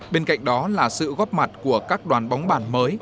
bên cạnh đó là sự góp mặt của các đoàn bóng bàn mới